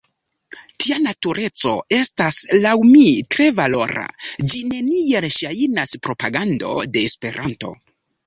Tia natureco estas, laŭ mi, tre valora, ĝi neniel ŝajnas propagando de Esperanto.